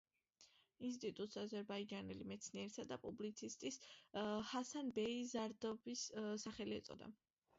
ინსტიტუტს აზერბაიჯანელი მეცნიერისა და პუბლიცისტის, ჰასან ბეი ზარდაბის სახელი ეწოდა.